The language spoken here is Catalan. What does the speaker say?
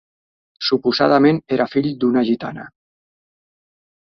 Suposadament era fill d'una gitana.